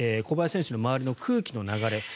小林選手の周りの空気の流れ